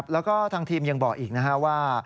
แล้วก็ทางทีมยังบอกอีกนะครับว่า